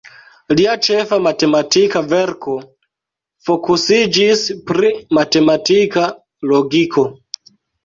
Lia ĉefa matematika verko fokusiĝis pri matematika logiko.